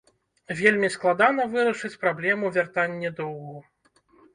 Вельмі складана вырашыць праблему вяртанне доўгу.